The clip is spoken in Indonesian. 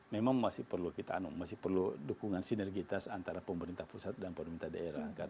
memang masih perlu dukungan sinergitas antara pemerintah pusat dan pemerintah daerah